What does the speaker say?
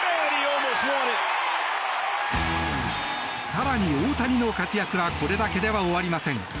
更に、大谷の活躍はこれだけでは終わりません。